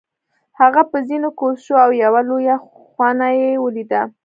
هغه په زینو کوز شو او یوه لویه خونه یې ولیده.